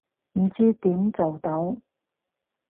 唔知點做到